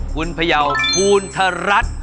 คุณพยาวภูณธรัฐ